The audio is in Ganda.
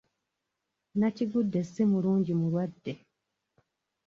Nakigudde si mulungi mulwadde.